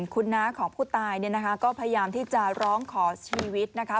คุณหน้าของผู้ตายก็พยายามที่จะร้องขอชีวิตนะคะ